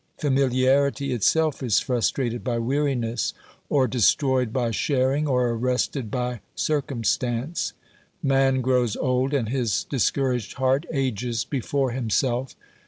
Familiarity itself is frustrated by weariness, or destroyed by sharing, or arrested by cir cumstance. Man grows old, and his discouraged heart ages before himself.